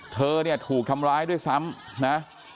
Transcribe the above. เธอเนี่ยถูกทำร้ายด้วยซ้ำนะ